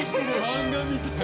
漫画みたい。